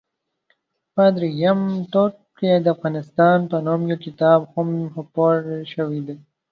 په درېیم ټوک کې د افغانستان په نوم یو کتاب هم خپور شوی دی.